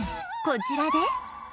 こちらで